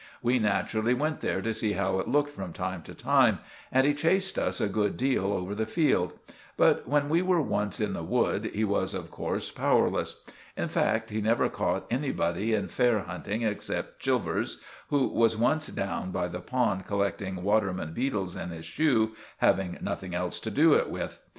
We naturally went there to see how it looked from time to time, and he chased us a good deal over the field; but, when we were once in the wood, he was of course powerless. In fact, he never caught anybody in fair hunting except Chilvers, who was once down by the pond collecting waterman beetles in his shoe, having nothing else to do it with.